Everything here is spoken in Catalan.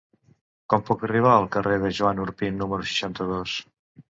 Com puc arribar al carrer de Joan Orpí número seixanta-dos?